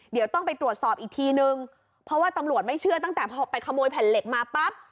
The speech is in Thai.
เดี๋ยวต้องไปตรวจสอบอีกทีนึงเพราะว่าตำรวจไม่เชื่อตั้งแต่ไปขโมยแผ่นเหล็กมาปั๊บ